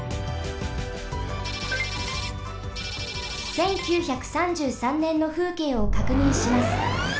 １９３３ねんのふうけいをかくにんします。